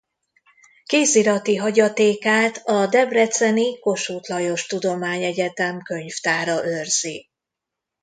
Kézirati hagyatékát a Debreceni Kossuth Lajos Tudományegyetem könyvtára őrzi.